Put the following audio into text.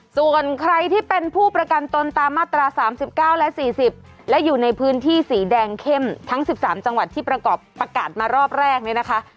ส่วนใครที่เป็นผู้ประกันตนตามมาตรา๓๙และ๔๐และอยู่ในพื้นที่สีแดงเข้มทั้ง๑๓จังหวัดที่ประกอบประกาศมารอบแรกเนี่ยนะคะ